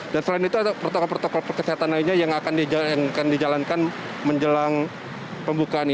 dan selain itu ada protokol protokol kesehatan lainnya yang akan dijalankan menjelang pembukaan ini